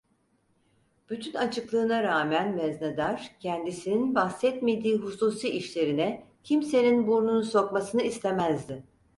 Bütün açıklığına rağmen veznedar, kendisinin bahsetmediği hususi işlerine kimsenin burnunu sokmasını istemezdi.